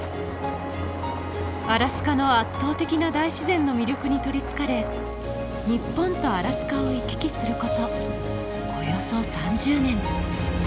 アラスカの圧倒的な大自然の魅力に取りつかれ日本とアラスカを行き来することおよそ３０年。